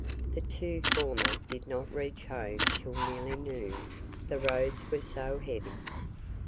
The two former did not reach home till nearly noon, the roads were so heavy.